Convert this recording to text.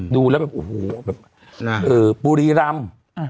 ดูแล้วแบบโอ้โหแบบบุรีรำ